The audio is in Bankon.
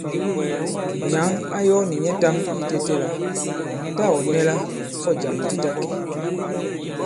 Nyǎŋ ā yɔ̄ nì nyɛtām itētē la tâ ɔ̀ nɛ la ɔ̂ jàm di ta kɛ̀.